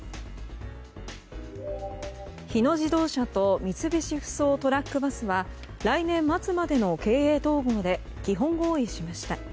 日野自動車と三菱ふそうトラック・バスは来年末までの経営統合で基本合意しました。